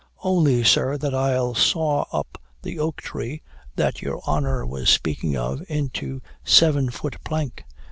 'Only, sir, that I'll saw up the oak tree that your honor was speaking of into seven foot plank.'